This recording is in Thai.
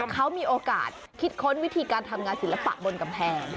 เขามีโอกาสคิดค้นวิธีการทำงานศิลปะบนกำแพง